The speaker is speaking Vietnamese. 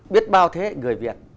biết bao thế người việt